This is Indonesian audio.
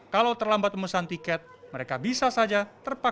kalau terlambat memesan tiket mereka bisa saja terpaksa